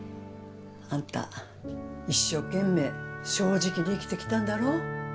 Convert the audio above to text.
あんた一生懸命正直に生きてきたんだろ？